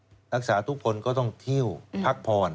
นักศึกษาทุกคนก็ต้องเที่ยวพักผ่อน